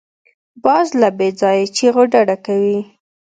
باز له بېځایه چیغو ډډه کوي